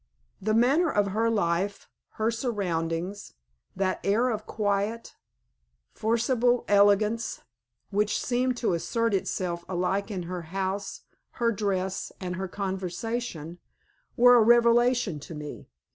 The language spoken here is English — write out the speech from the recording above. The manner of her life, her surroundings, that air of quiet, forcible elegance, which seemed to assert itself alike in her house, her dress, and her conversation, were a revelation to me.